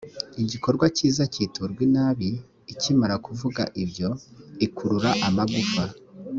igikorwa kiza kiturwa inabi ikimara kuvuga ibyo ikurura amagufa